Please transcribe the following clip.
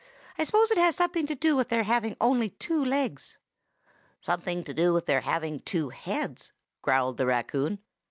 I suppose it has something to do with their having only two legs." "Something to do with their having two heads!" growled the raccoon.